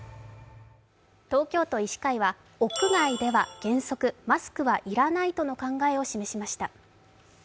東京都医師会は屋外では原則、マスクは要らないとの考えを示しました。